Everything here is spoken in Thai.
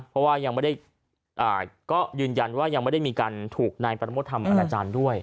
เพราะว่ายังไม่ได้ก็ยืนยันว่ายังไม่ได้มีการถูกนายประโมททำอนาจารย์ด้วย